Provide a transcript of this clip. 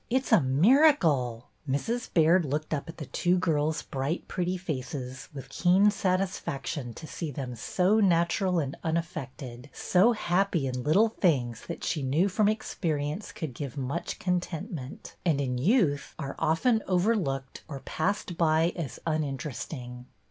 It 's a miracle !" Mrs. Baird looked up at the two girls' bright, pretty faces with keen satisfaction to see them so natural and unaffected, so happy in little things that she knew from experience could give much contentment, and in youth are often overlooked or passed by as uninteresting.